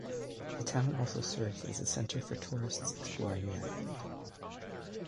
The town also serves as a centre for tourists exploring the island.